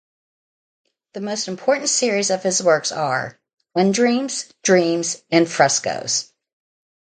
The most important series of his works are: Undreams, Dreams and Frescos.